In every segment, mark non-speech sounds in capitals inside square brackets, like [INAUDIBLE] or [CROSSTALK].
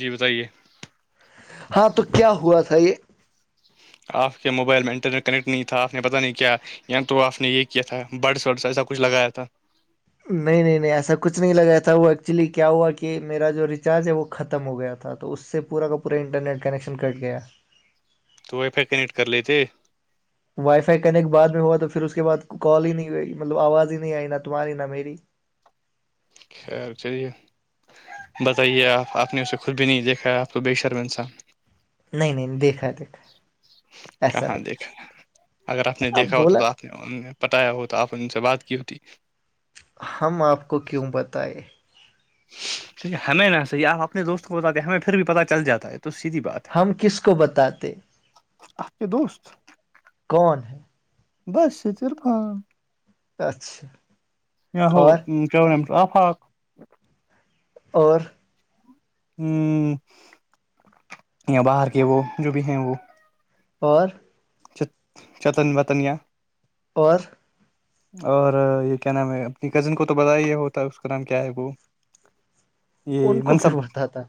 جی بتائیے ہاں تو کیا ہوا تھا یہ آپ کے موبائل میں انٹرنیٹ کنیکٹ نہیں تھا آپ نے پہ نہیں کیا تو آپ نے یہ کیا تھا بڈس وڈس ایسا کچھ لگایا تھا نہیں نہیں نہیں ایسا کچھ نہیں لگایا تھا وہ ایکچولی کیا ہوا کہ میرا جو ریچارج ہے وہ ختم ہو گیا تھا تھا تو اس سے پورا کا پورا انٹرنیٹ کنیکشن کٹ گیا تھا تو وائی فائی کنیکٹ کر لیتے وائی فائی کنیکٹ بعد میں ہوا تو پھر اس کے بعد کال ہی نہیں ہوئی مطلب آواز ہی نہیں آئی نا تمہاری نا میری خیر چلیے بتائیے آپ آپ نے اس سے خود بھی نہیں دیکھا ہے آپ کو بے شرم انسان نہیں نہیں نہیں دیکھا دیکھا ہے، ایسا کہاں نہیں دیکھا ہے ایسا اگر آپ نے دیکھا ہو تو تو آپ انہوں نے بتایا ہوتا آپ نے ان سے بات کی ہوتی ہم آپ کو کیوں بتائے ہمیں نا صحیح آپ اپنے دوست کو بتاتے ہیں ہمیں پھر بھی پتا چل جاتا ہے تو سیدھی بات ہے ہم کس کو بتاتے آپ کے دوست کون ہے باسط عرفان اچھا یا ہو اور کیا آفاق اور یا باہر کے وہ جو بھی ہیں وہ اور چت چتن وتنیاں اور اور یہ کیا نام ہے اپنی کزن کو تو بتایا ہی یہ ہوتا ہے اس کا نام کیا ہے وہ ان یہ کو کیوں منصب بتاتا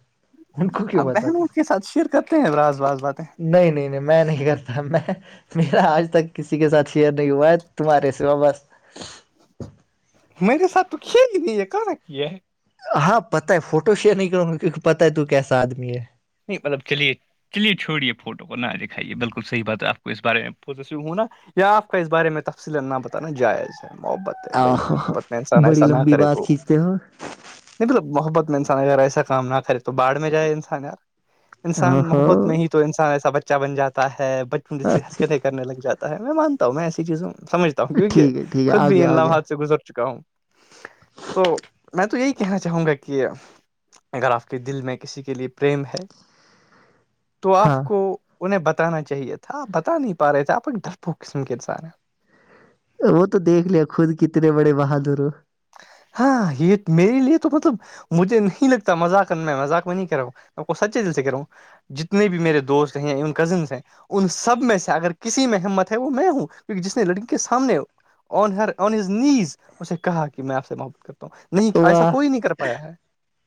ان کو کیوں آپ بتاتا بہنوں کے ساتھ شر کرتے کرتے ہیں راز واز باتیں نہیں نہیں نہیں میں نہیں کرتا میں میرا آج تک کسی کے ساتھ شیئر نہیں ہوا ہے تمہارے سوا بس میرے ساتھ تو کیا ہی نہیں ہے کہاں کیا ہاں پتاہ ہے فوٹو شیئر نہیں کروں گے کیونکہ پتا ہے تو کیسا آدمی ہے نہیں مطلب چلیے چلیے چھوڑیے فوٹو کو نہ دکھائیے بالکل صحیح بات ہے آپ کو اس بارے میں پوزیسسیو ہو نا کیا آپ کا اس بارے میں تفصیلن نا بتانا جائز ہے محبت ہے بھائی آہو محبت میں انسان بڑی ایسا نہ لمبی کرے بات تو کھینچتے ہو نہیں مطلب محبت میں انسان اگر ایسا کام نہ کرے تو بھاڈ میں جائے انسان یار ا انسان ہو محبت میں ہی تو انسان ایسا بچہ بن جاتا ہے بچوں جیسی اچھا حرکتیں کرنے لگ جا ہے میں مانتا ہوں میں ایسی چیزوں سمجتا ہوں کیوں کہ ٹھیک ہے ٹھیک ہے خود آ بھی گیا ان آ گیا لمحات سے گزر چکا ہوں تو میں تو یہی کہنا چاہوں گا کہ اگر آپ کے دل میں کسی کے لیے پریم ہے تو آپ ہاں کو انہیں بتانا چاہیے تھا آپ بتا نہیں پا رہے تھے آپ ایک ڈرپھو قسم کے انسان ہیں وہ تو دیکھ لیا خود کتنے بڑے بہادر ہو ہاں یہ میرے لیے تو مطلب مجھے نہیں لگتا مذاق میں مذاق میں نہیں کہ رہا ہوں میں آپ کو سچے دل سے کہ رہا ہوں جتنے بھی میرے دوست ہیں اور کزنس ہیں ان سب میں سے اگر کسی میں ہمت ہے وہ میں ہوں کیونکہ جس نے لڑکی کے سامنے آن ہر آن ہز نیز اسے کہا کہ میں آپ سے محبت کرتا ہوں نہیں ایسا واہ کوئی نہیں کر پایا ہے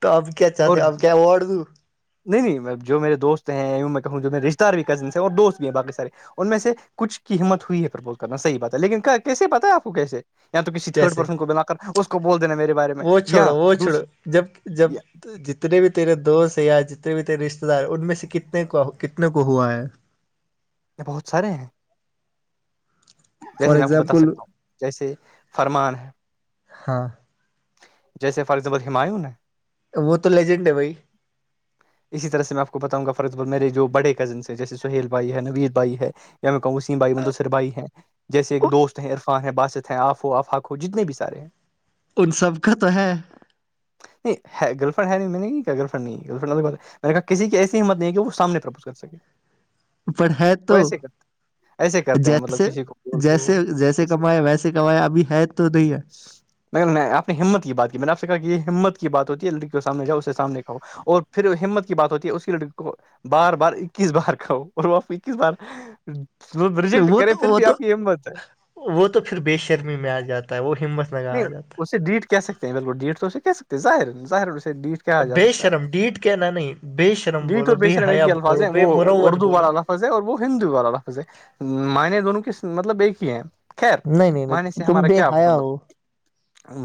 تو اب کیا اور چاہتے ہو، اب کیا اوارڈ دوں نہیں نہیں میں جو میرے دوست ہیں میں کہوں جو میرے رشتے دار کزن ہیں اور دوست بھی ہیں باقی سارے ان میں سے کچھ کی ہمت ہوئی ہے پرپوز کرنا صحیح بات ہے لیکن کیسے پتا ہے آپ کو کیسے یا تو کسی تھرڈ کیسے پرسن کو بلا کر اس کو بول دینا میرے بارے میں وہ چھوڑو یا وہ چھوڑو دوسرے جب جب جتنے بھی تیرے دوست یا جتنے بھی تیرے رشتے دار ان میں سے کتنے کو کتنے کو ہوا ہے یہ بہت سارے ہیں [INAUDIBLE] جیسے میں آپ کو بتا ایگزامپل سکتا ہوں جیسے فرمان ہ ہاں جیسے فار ایزامل ہمایوں وہ تو لیجنڈ ہے بھائی [INAUDIBLE] اسی طرح سے میں آپ کو بتاؤںا فار اگزامپل میرے جو بڑے کزنس ہیں جیے سہیل بھائی ہے نوید بھائی ہے یا میں کہوں واسیم بھائی مداسر بھائی ہیں جیسے ایک دوست ہیں عرفان ہیں باسط ہیں آپ ہو آف ہاق ہو جتنے بھی سارے ان سب کا تو ہے نہیں ہےگرلف فرنڈ ہے نہیں میں نے نہیں گرلفرینڈ نہیں گرل فنڈ میں نے کہا کسی کی ایسی ہمت نہیں ہے کہ وہ سامنے پرپوز کر سکے پر ہے وہ تو ایسے کر ایسے کرتے ہیں جب مطلب سے کسی جیسے کو جیسے کمایا ویسے کمایا ابھی ہے تو نہیں ہے میں آپ ہمت کی بات کی میں نے آپ کہ یہ ہمت کی بات ہوتی ہے لڑکی سامنے جاؤ اسے سامنے کہاو اور پھر ہمت کی بات ہوتی ہے اسی لڑکی کو بار بار اکیس بار کہو اور وہ آپ اکیس بار ہے ریجیکٹ وہ کرے تو پھر وہ بھی تو آپ کی ہمت ہے وہ تو پھر بے شرمی میں آ جاتا ہے وہ ہمت میں نہیں جاتا ہے اس ڈیٹ کہہ سکتے ہیں بالکل ڈیٹ تو اسے کہہ سکتے ہیں ظاہر ظاہر اسے ڈیٹ کے کہا ہے جا بے سکتا ہے شرم ڈیٹ کہنا نہیں بے شرم ڈیٹ اور بولو بے شرم ایک حیا ہی الفاظ بولو ہیں بے وہ مروت اردو والا بولو لفظ ض اور وہ ہندو والا لفظ ہے معنی دونوں کے مطلب ایک ہی ہے خیر نہیں نہیں معنی نہیں سے تم ہمارا بے کیا حیا مطلب ہو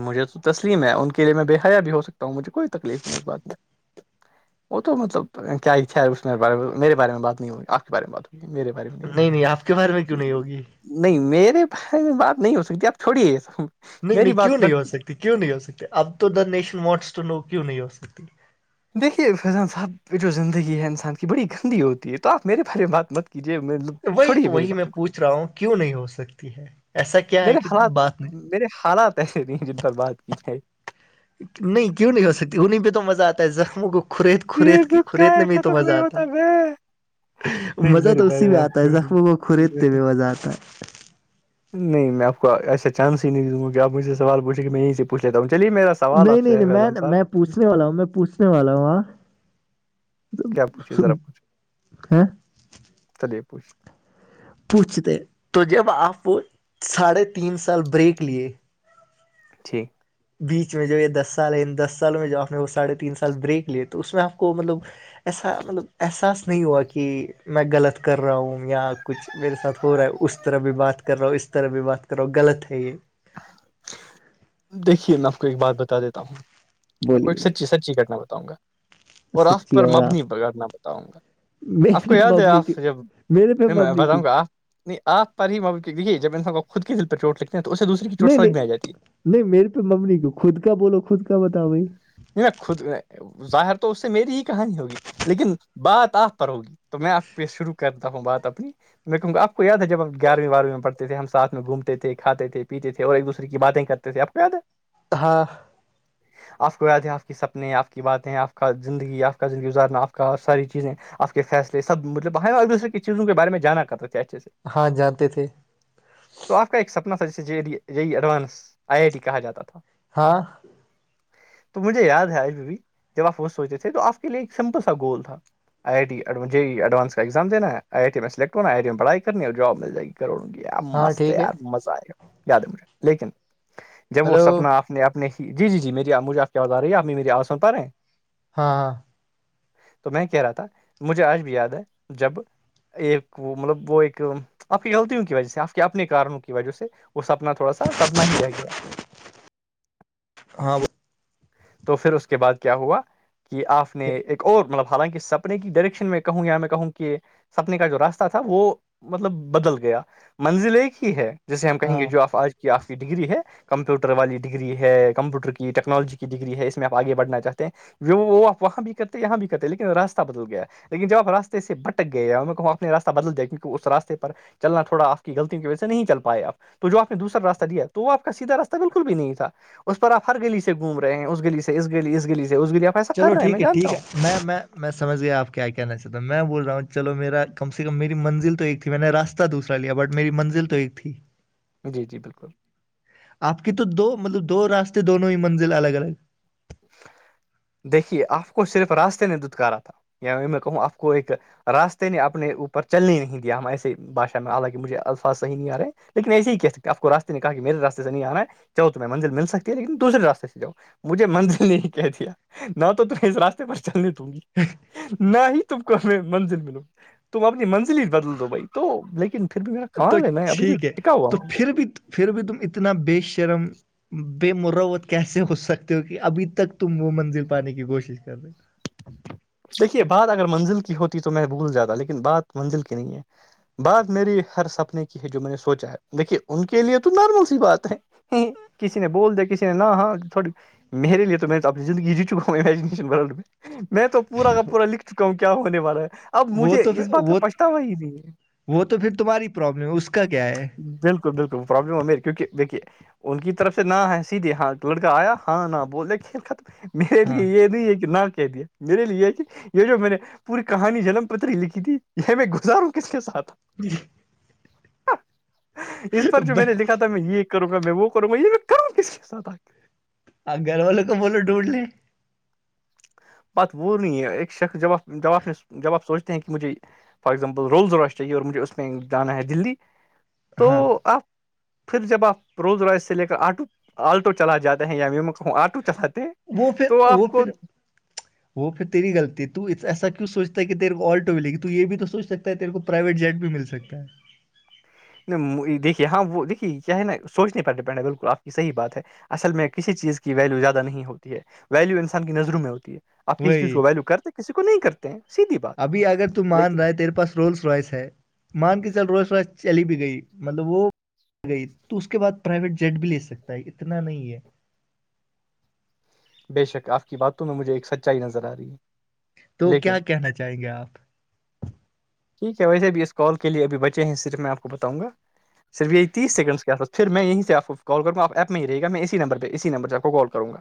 مجھے تو تسلیم ہے ان کے لیے میں بے حیا بھی ہو سکتا ہوں مجھے کوئی تکلیف نہیں اس بات میں وہ تو مطلب کیا ہی اسے بار میں میرے بارے میں بات نہیں ہوئی آپ کے بارے میں بات ہو میرے بارے میں نہیں نہیں آپ کے بارے میں کیوں نہیں ہوگی نہیں میرے بارے میں بات نہیں ہو سکتی آپ چھوڑیے نہیں میری نہیں کیوں بات نہیں ہو سکتی کیوں نہیں ہو سکتی اب تو the nation wants to know کیوں نہیں ہو سکتی دیکھیے فیضان صاحب جو زندگی ہے انسان کی بڑی گندی ہوتی ہے تو آپ میرے بارے میں بات مت کیجیے وہی چھوڑیے میری وہی میں باتوں کو پوچھ رہا ہوں کیوں نہیں ہو سکتی ہے ایسا کیا ہے میرے کہ حالات بات نہیں میرے حالات وایسے نہیںی ہیں جن پر بات کی جائے نہیں کیوں نہیں ہو سکتی انہیں پہ تو مزہ آتا زخموں کو کورید یہ کورید کے دکھ کا کوریدنے ہے میں تو ختم مزہ نہیں آتا ہوتا میں ہے نہیں مزہ میرے تو اسی بارے میں آپ آتا ہے زخموں کو چھوڑیے، کریدتے میں مزہ آتا ہے نہیں میں آپ کو ایسا چانس ہی نہیں دوں گا کہ آپ مجھے سے سوال پوچھے کہ میں یہ ہی سے پوچھ لیتا ہوں چلیے میرا سوال نہیں آپ نہیں سے نہیں ہے فیضان میں میں صاحب پوچھنے والا ہوں میں پوچھنے والا ہوں ہاں کیا پوچھیے ذرا پوچھے ہاں چلیے پوچھیے پوچھتے ہے جب آپ ساڑھے تین سال بریک لیے ٹھیک بیچ میں جو یہ دس سال ہے ان دس سالوں میں جو آپ نے وہ سڑھے تین سال بریک لیے تو اس میں آپ کو مطلب ایسا مطلب احساس نہیں ہوا کہ میں غلط کر رہا ہوں یا کچھ میرے ساتھ ہو رہا ہے اس طرح بھی بات کر رلو اس طرح بھی بات کرو غلط ہے یہ دیکھیے میں آپ کو ایک بات بتا دیتا ہوں میں کو ایک بولیے سچی سچی گٹنا بتاؤں گا اور آف سچی پر اور آپ مبنی بگڑنا بتاؤں گا آپ میرے کو پہ یاد ہے مبنی کی آپ جب میرے پہ پھر میں مبنی کیوں بتاؤں گا آپ نہیں آپ پر ہی دیکھیے جب ان کو خود کے دل پر چوٹ لکھتے ہیں تو اسے دوسری کی چوٹ نہیں سمج میں آ نہیں جاتی ہے نہیں میرے پہ مممی کو خود کا بولو خود کا بتاؤ بھائی نہیں میں خود ظاہر تو اس سے میری ہی کہانی ہوگی لیکن بات آپ پر ہوگی تو میں آپ پہ شروع کرتا ہوں بات اپنی میں آپ کو یاد ہے جب ہم گیارہویں بارویں میں پڑتے تھے ہم ساتھ گھومتے تھے کھاتے ھتے اور ایک دوسرے کی باتیں کرتے توے آپ کویاد ہے ہاں آپ کو یادیں آپ کی سپنے آپ کی باتیں آپ کا زندگی آپ کا زندگی گزارنا آپ کا ساری چیزیں آپ کا کے فیصل سب مطلب اور ایک دوسرے کی چیزوں کے بارے میں جان کر رہے کیا اچھے سے ہاں جاتے تھے تو آپ کا ایک سپنا تھا جسے یہی ایڈوانس آئی آئی ٹی کہا جاتا تھا ہاں مجھے یاد ہے آج بھی بھی جب آپ وہ سوچے تھے تو آپ کے لیے ایک سمپل سا گول تھا آئی آئی ٹیڈی ایڈانس کاگز دینا آئی آئی ٹی میں سلیک ہو ہے آئیٹی میں پڑھائی کرنی اور جاب مل جائے گی کروں گی پ ہاں مست ہے ٹھیک یار مزہ آئے یاد ہے مجھے لیکن جب وہ ہلو سپنا آپ اپنے جی جی جی میری مجھے آپ کی آاز آ رہی ہے آپ نے میری آواز سن پا رہے ہیں ہاں ہاں تو میں کہہ رہا تھا مجھے آج بھی یاد ہے جب ایک وہ مطلب وہ ایک آپ کی غلطوں کی وجہ سے آپ کے اپنے کارنوں کی وجہ سے وہ سپنا تھوڑا سا سپنا ہی رہ گیا ہاں ب تو پھر اس کے بعد کیا ہوا کہ آپ نے ایک اور مطلب حالانکہ سب اپنے کی ڈائریکشن میں کہوں یا میں کہوں کہ سپنے کا جو راستہ تھا وہ مطلب بدل گیا منزل ایک ہی ہے جیسے ہم کہیں گے ہاں جو آ آج کی آپ کی ڈگری ہے کمپیوٹر والی ڈگری ہے کمپیوٹر کی ٹیکنالوجی ڈگری ہے اس میں آپ آگے بڑنا چاہتے ہیں وہ آپ وہاں بھی کرتے ہیں یہاں بھی کرتے لیکن راستہ بدل گیا لیکن جب آپ راستے سے بٹک گئے ہیں میں کہوں اپنے راستہ بدل دیا کیونکہ اس راستے پر چلنا تھوا آپ کی غلطی کی وجہ سے نہیں چل پائے آپ تو جو آپ نے دوسا راستہ دیا تو وہ آپ کا سیدھا راستہ بالکل بھی نہیں تھا اس پر آپ ہر گلی سے گھوم رہے رہ ہیں اس گلی سے اس گلی اس گلی سے اس گلی آپ ایسا چلو کر رہے میں ٹھیک ہے جانتا ٹھیک ہے ہوں میں میں میں سمجھ گیا آپ کیا کہنا چاہتا ہ میں بول رہا ہوں چلو میرا کم سے کم میری منزل تو ایک تھی میں نے راستہ دوسرا لیا بٹ میری منزل تو ایک تھی [INAUDIBLE] جی جی بلکل آپ کی تو دو مطلب دو راستے دونوں ہی منزل الگ الگ دیکھیے آپ کو صرف راستے نے دتکارا تھا ی میں کہوں آپ کو ایک راستے نے اپنے اوپر چلنے نہیں دیا ہم ایسے باشا میں حالانکہ مجھے الفاظ صحیح نہیں آ رہے لیکن ایسے ہی کہ آپ کو راستے نے کہا کہ میرے راستے سے نہیں آنا ہے چلو تمہیں منزل مل سکتی ہے لیکن دوسرے راستے سے جاؤ منزل نے ہی کہہ دیا نہ تو تمہیں اس راستے پر چلنے دوں گی ہوں نہ ہی تم کو ہمیں منزل ملوں تم اپنی منزل ہی بدل دو بھائی تو لیکن پھر بھی میرا تو کال ہےنا میں ابھی بھی ٹھیک ہے ٹکا تو ہواہو پھر بھی پھر بھی تم اتنا بے شرم بے موراوت کیسے ہو سکتے ہو کہ ابھی تک تم وہ منزل پانے کی کوشش کر رہے دیکھیے بات اگر منزل کی ہوتی تو میں بھول جاتا بات منزل کی نہیں ہے بات میری ہر سپنے کی ہے جو میں نے سوچا ہے دیکھیے ان کے لیے تو نارمل سی بات ہے کسی نے بول د کسی نے نہ ہاں تھوڑ میرے لیے تو میں تو اپنی زندگی جی چوکا ہوں ایجوکیشن ورلڈ میں میں تو پورا کا پورا لکھ چکا ہوں کہ کیا ہونے والا ہے اب ہو وہ مجھے تو اس پھر بات کا وہ پچھتاوا ہی نہیں ہے وہ تو پھر تمہاری پرابلم ہے اس کا کیا ہے بالکل بالکل پرلم ہو گئی کیونکہ دیکھیے ان کی طرف سے نہ ہے سیدھے ہاں لڑکا آیا ہاں نہ بول دیا کھیل ختم میرے ہاں لیے یہ نہیں ہے کہ نہ کہہ دیا میرے لیے یہ یہ جو میں نے پوری کہانی جنم پتری لکھی تھی یہ میں گزار ہوں کس کے ساتھ جی اس پر جو میں نے بھائی، لکھا تھا میں یہ کروں گا میں وہ کروں گا یہ میں کروں کسی کے ساتھ آخر آ گھر والوں کا بولو ڈھونڈ لی بات وہ نہیں ہے ایک شخص جو جواب نے جواب سوچتے ہیں کہ مجھے فار ایگزامپل رولز راش چاہیے اور مجھے اس میں جانا ہے دلی تو ہاں آپ پھر جب آپ روز رائ سے لے کر آٹو آٹو چلا جاتے ہیں یا م میں کہوں آٹو چلاتے ہیں وہ پھر تو وہ آپ کو پھر [INAUDIBLE] [INAUDIBLE] وہ پھر تیری غلطی تو ایسا کیوں سوچتا کہ تیرے کو الٹو ملے گی تو یہ بھی تو سوچ سکتا ہے تیرے کو پرائیویٹ جٹ بھی مل سکتا ہے دیکھیے ہاں وہ دیکھیے کیا ہے نا سوچ نہیں پر ڈپینڈ ہے بالکل آپ کی صحیح بات ہے اصل میں کسی چیز کی ویلو زیادہ نہیں ہوتی ہے ویلو انسان کی نظروں میں ہوتی ہے آپ کسی چیز کو وہی ویلو کرتے کسی کو نہیں کرتے ہیں سیدھی بات ابھی اگر تو مان لیکن رہا ہے تیرے پاس رولس روائس ہے مان کہ چل روس روائس چلی بھی گئی مطلب وہ گئی تو اس کے بعد پرائیویٹ جٹ بھی لے سکتا ہے اتنا نہیں ہے بے شک آپ کی باتوں میں مجھے ایک سچائی نظر آ رہی ہے تو کیا لیکن کہنا چاہیں گے آپ ٹھیک ہے ویسے بھی اس کال کے لیے بچے ہیں صرف میں آپ کو بتاؤں گا صرف یہ تیس سیکنڈز کے اس پاس پھر میں یہیں سے اپ کو کال کرو گا اپ ایپ میں ہی رہے گا میں اسی نمرہ پہ اسی نمبر سے کال کروں گا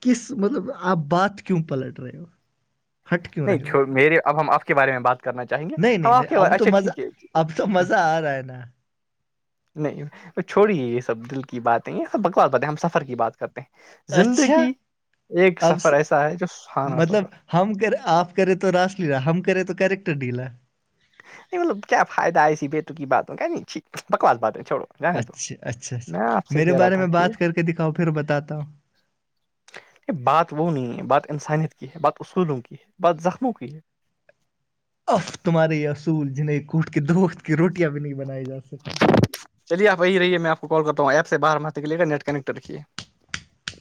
کس مطلب آپ بات کیوں پلٹ رہے ہو ہٹ کیوں نہیں رہے ہو بات میرے اب ہم آپ کے بارے میں بات کرنا چاہیں گے نہیں ہم نہیں آپ نہیں کے با اب تو اچھا مزہ ٹھیک اب تو ہے مزہ آ رہا ہے نا نہیں وہ چھوڑی ہے یہ سب دل کی باتیں یہ سب بکوات بتیں ہم سفر کی بات کرتے اچھا زندگی ایک اب سفر س- ایسا ہے جو سہانا مطلب سفر ہے ہم کرے آپ کرے تو راس لیلالہ ہم کرے تو کریکٹر ڈیلا نہیں مطلب کیا فائد ہے ای ایسی بے تکی باتوں کا ہے نہیں بکواس بات ہے چھڑو اچھا اچھا اچھا میرے بارے تھا میں کہ بات کر کے دکھاؤ پھر بتاتا ہوں بات وہ نہیں ہے بات انسانیت کی ہے بات اصولوں کی ہے بات زخموں کی ہے اف تمہارے یہ اصول جنہیں کوٹ کے دو وقت کی روٹیاں بھی نہیں بنائی جا سکتی چلیے آپی رہے میں آپ کو کال کرتا ہوں ایپ سے باہر ماتے کے لے کر نی کنیکٹ رکھیے